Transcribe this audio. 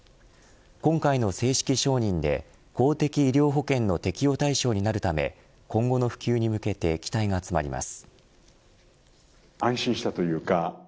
今回の正式承認で公的医療保険の適用対象になるため今後の普及に向けて期待が集まります。